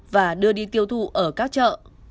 và đưa đi tiêu thụ ở các chợ